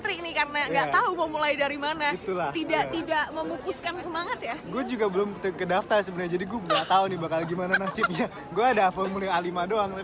ini kan ngantrinya panjang banget ram